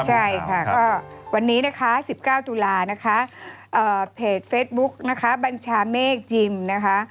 ใช่ค่ะวันนี้๑๙ตุลานะคะเพจเฟซบุ๊กบัญชาเมฆยิมนะคะ